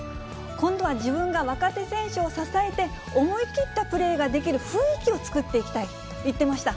今度は自分が若手選手を支えて、思い切ったプレーができる雰囲気を作っていきたいと言っていました。